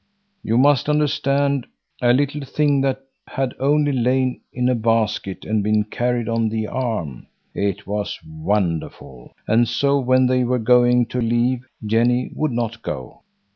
You must understand, a little thing that had only lain in a basket and been carried on the arm! It was wonderful. And so when they were going to leave, Jenny would not go.